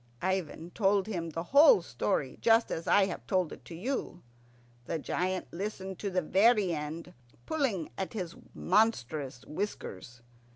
Ivan told him the whole story, just as I have told it to you. The giant listened to the very end, pulling at his monstrous whiskers.